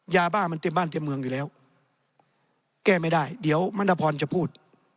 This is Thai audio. ยาบ้ามันเต็มบ้านเต็มเมืองอยู่แล้วแก้ไม่ได้เดี๋ยวมณพรจะพูด